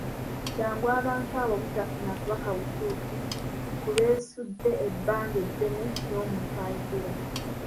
Kyangu abantu abo obutafuna bubaka butuufu ku beesudde ebbanga eddene n’omuntu ayogera.